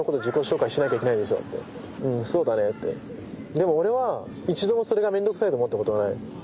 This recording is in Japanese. でも俺は一度もそれが面倒くさいと思ったことはない。